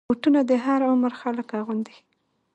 بوټونه د هر عمر خلک اغوندي.